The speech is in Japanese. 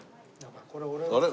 あれ？